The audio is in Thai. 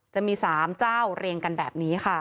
จะมี๓เจ้าเรียงกันแบบนี้ค่ะ